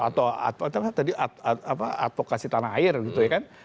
atau tadi advokasi tanah air gitu ya kan